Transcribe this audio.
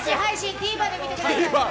ＴＶｅｒで見てください。